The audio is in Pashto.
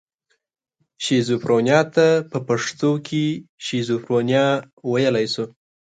شیزوفرنیا ته په پښتو کې شیزوفرنیا ویلی شو.